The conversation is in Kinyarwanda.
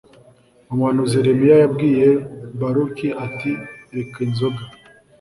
umuhanuzi yeremiya yabwiye baruki ati reka inzoga